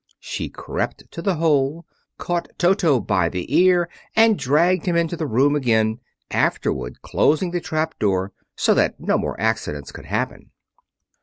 She crept to the hole, caught Toto by the ear, and dragged him into the room again, afterward closing the trap door so that no more accidents could happen.